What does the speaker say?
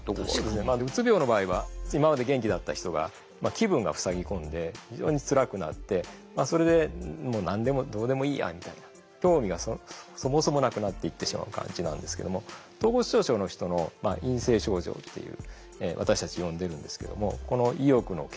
うつ病の場合は今まで元気だった人が気分がふさぎ込んで非常につらくなってそれで何でもどうでもいいやみたいな興味がそもそもなくなっていってしまう感じなんですけども統合失調症の人の陰性症状っていう私たち呼んでるんですけどもこの意欲の欠如っていうのは本当はやりたいんだけども